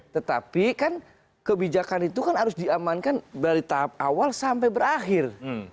tetapi kan kebijakan itu kan harus diamankan dari tahap awal sampai berakhir